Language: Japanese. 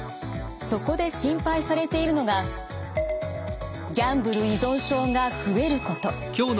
そこで心配されているのがギャンブル依存症が増えること。